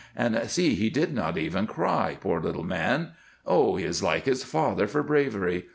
And see, he did not even cry, poor little man! Oh, he is like his father for bravery!